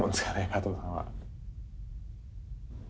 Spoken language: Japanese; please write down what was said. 加藤さんは。